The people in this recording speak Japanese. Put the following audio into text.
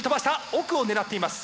奥を狙っています。